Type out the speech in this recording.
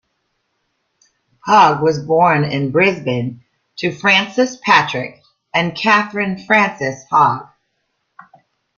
Hogg was born in Brisbane to Francis Patrick and Catherine Frances Hogg.